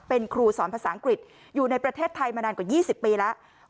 เป็นครูสอนภาษาอังกฤษอยู่ในประเทศไทยมานานกว่า๒๐ปีแล้ว